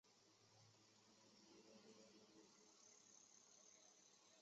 马普托国际机场是莫桑比克共和国首都马普托的国际机场。